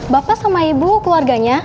bapak sama ibu keluarganya